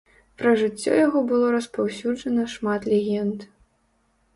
Пра жыццё яго было распаўсюджана шмат легенд.